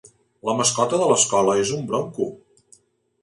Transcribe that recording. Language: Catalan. La mascota de l'escola és un Bronco.